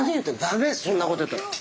ダメそんなこと言ったら。